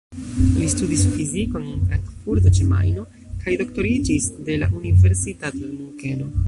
Li studis fizikon en Frankfurto ĉe Majno kaj doktoriĝis de la Universitato de Munkeno.